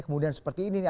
kemudian seperti ini nih